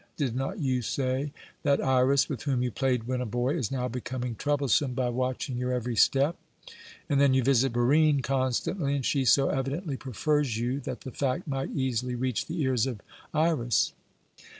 "Did not you say that Iras, with whom you played when a boy is now becoming troublesome by watching your every step? And then you visit Barine constantly and she so evidently prefers you, that the fact might easily reach the ears of Iras."